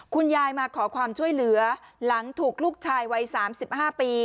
คุณยายมาขอความช่วยเหลือหลังถูกลูกชายวัย๓๕ปี